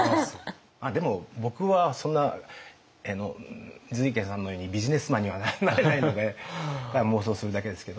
まあでも僕はそんな瑞賢さんのようにビジネスマンにはなれないのでだから妄想するだけですけど。